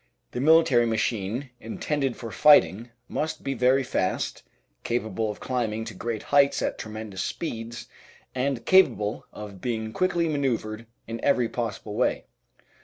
The military machine intended for fighting must be very fast, capable of climbing to great heights at tremendous speeds, and capable of being quickly manreuvred in every possible way.